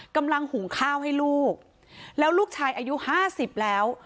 กำลังหุงข้าวให้ลูกแล้วลูกชายอายุ๕๐แล้ว